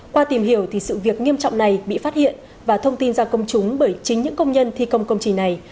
qua tìm hiểu thì sự việc nghiêm trọng này bị phát hiện và thông tin ra công chúng bởi chính những công nhân thi công công trình này